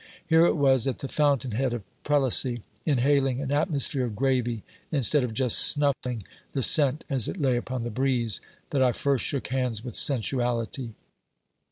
Here it was, at the fountain head of prelacy, inhaling an atmosphere of gravy, instead of just snuffing the scent as it lay upon the breeze, that I first shook hands with sensuality.